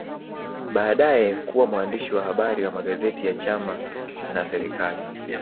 Baadae kuwa mwandishi wa habari wa magazeti ya chama na serikali